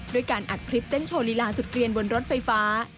การอัดคลิปเต้นโชว์ลีลาสุดเกลียนบนรถไฟฟ้า